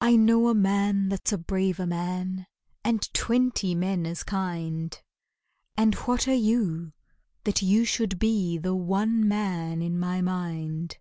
I know a man that's a braver man And twenty men as kind, And what are you, that you should be The one man in my mind?